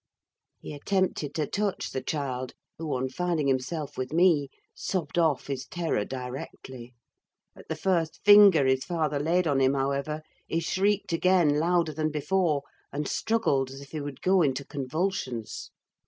He attempted to touch the child, who, on finding himself with me, sobbed off his terror directly. At the first finger his father laid on him, however, he shrieked again louder than before, and struggled as if he would go into convulsions.